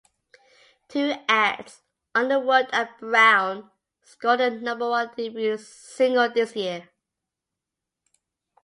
Two acts, Underwood and Brown, scored a number-one debut single this year.